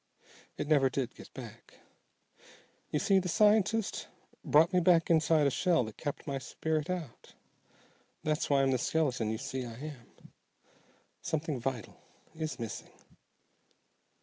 It never did get back. You see, the scientist brought me back inside a shell that kept my spirit out. That's why I'm the skeleton you see I am. Something vital is missing."